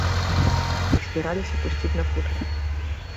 Іх збіраліся пусціць на футра.